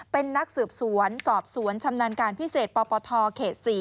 เป็นนักสืบสวนสอบสวนชำนาญการพิเศษปปทเขต๔